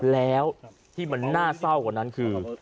แล้วที่มันน่าเศร้ากว่านั้นคือ